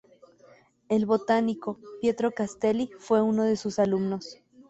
El botánico Pietro Castelli fue uno de sus alumnos.